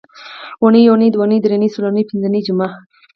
اونۍ یونۍ دونۍ درېنۍ څلورنۍ پینځنۍ جمعه